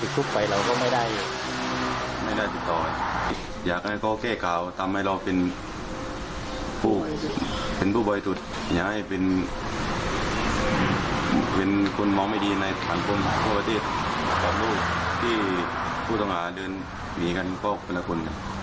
คุณมองไม่ดีในฝั่งความผลข้อมูลที่ผู้ต่างหาเดินหนีกันก็เป็นละคุณ